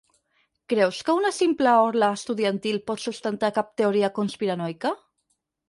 Creus que una simple orla estudiantil pot sustentar cap teoria conspiranoica?